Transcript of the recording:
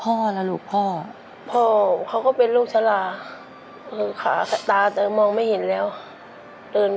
พี่ก็ต้องเป็นภาระของน้องของแม่อีกอย่างหนึ่ง